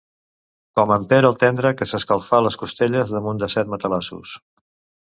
Com en Pere el tendre, que s'esclafà les costelles damunt de set matalassos.